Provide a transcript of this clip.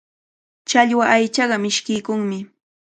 Challwa aychaqa mishkiykunmi.